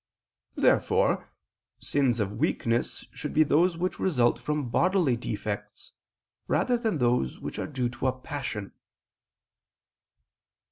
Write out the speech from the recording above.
Therefore sins of weakness should be those which result from bodily defects, rather than those which are due to a passion.